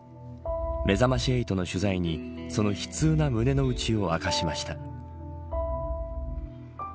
めざまし８の取材にその悲痛な胸の内を明かしました。